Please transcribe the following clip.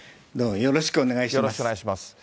よろしくお願いします。